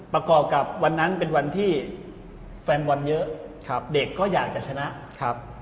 ประกอบกับวันนั้นเป็นวันที่แฟนบอลเยอะครับเด็กก็อยากจะชนะครับ